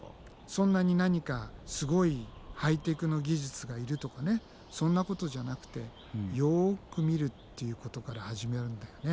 そんなに何かすごいハイテクの技術がいるとかねそんなことじゃなくてよく見るっていうことから始めるんだよね。